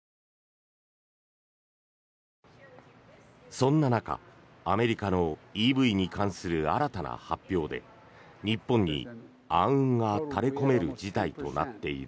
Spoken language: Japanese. そんな中、アメリカのＥＶに関する新たな発表で日本に暗雲が垂れ込める事態となっている。